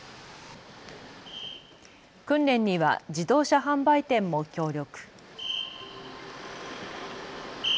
訓練には自動車販売店も協力。